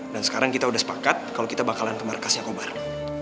dan sekarang kita udah sepakat kalo kita bakalan ke markasnya cobra